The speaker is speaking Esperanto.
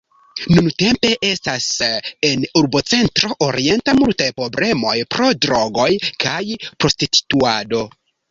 Nuntempe estas en Urbocentro Orienta multaj problemoj pro drogoj kaj prostituado.